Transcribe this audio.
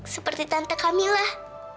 seperti tante kamilah